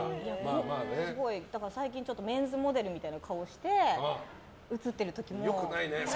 だから最近メンズモデルみたいな顔して写っている時も。